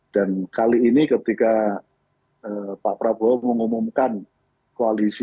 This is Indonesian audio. dan kali ini ketika pak prabowo mengumumkan koalisi